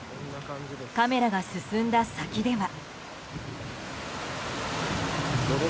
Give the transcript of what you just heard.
カメラが進んだ先では。